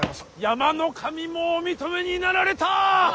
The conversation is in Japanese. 山の神もお認めになられた！